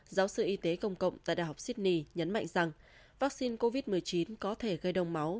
giáo sư y tế công cộng tại đại học sydney nhấn mạnh rằng vaccine covid một mươi chín có thể gây đông máu